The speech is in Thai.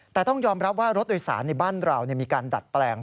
แต่ต้องยอมรับว่ารถโดยสารในบ้านเรามีการดัดแปลง